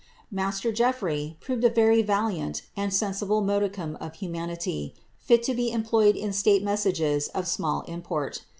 Master Geofiry proved a very valiant and sensihM modicum of humanity, fit to be employed in state messages of import.